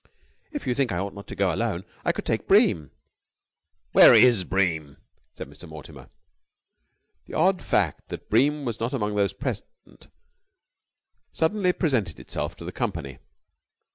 "If you think I ought not to go alone, I could take Bream." "Where is Bream?" said Mr. Mortimer. The odd fact that Bream was not among those present suddenly presented itself to the company.